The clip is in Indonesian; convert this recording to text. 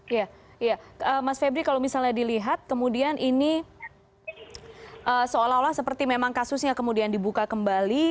iya mas febri kalau misalnya dilihat kemudian ini seolah olah seperti memang kasusnya kemudian dibuka kembali